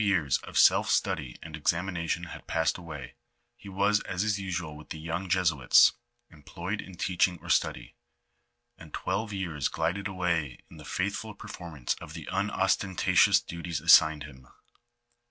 xliii years of self study and examination l)ad passed away, he waa as is usual with the young Jesuits, employed in teaching or study, and twelve years glided away in the faithful per formance of the unostentatious duties assigned him.